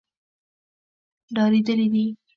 ډارېدلي دي.